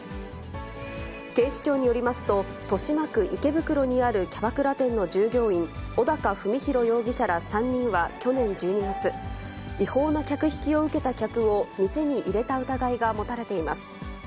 警視庁によりますと、豊島区池袋にあるキャバクラ店の従業員、小高文裕容疑者ら３人は去年１２月、違法な客引きを受けた客を店に入れた疑いが持たれています。